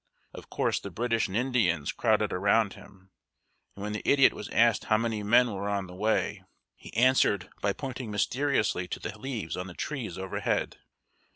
Of course the British and Indians crowded around him, and when the idiot was asked how many men were on the way, he answered by pointing mysteriously to the leaves on the trees overhead.